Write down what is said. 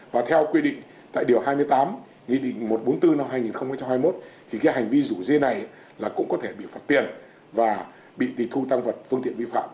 và theo quy định tại điều hai mươi tám nghị định một trăm bốn mươi bốn năm hai nghìn hai mươi một thì cái hành vi rủ dê này là cũng có thể bị phạt tiền và bị tì thu tăng vật phương tiện vi phạm